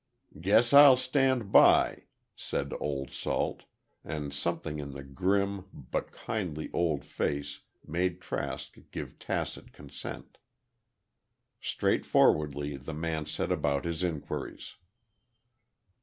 "Guess I'll stand by," said Old Salt, and something in the grim but kindly old face made Trask give tacit consent. Straightforwardly the man set about his inquiries.